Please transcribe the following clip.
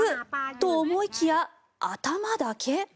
と、思いきや頭だけ？